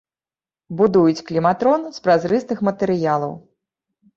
Будуюць кліматрон з празрыстых матэрыялаў.